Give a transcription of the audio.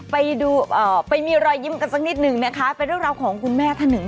ไปดูเอ่อไปมีรอยยิ้มกันสักนิดหนึ่งนะคะเป็นเรื่องราวของคุณแม่ท่านหนึ่ง